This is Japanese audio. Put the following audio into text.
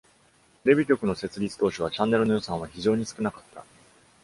テレビ局の設立当初は、チャンネルの予算は非常に少なかった。